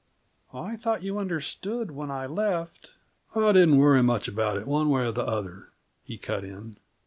"I thought you understood, when I left " "I didn't worry much about it, one way or the other," he cut in.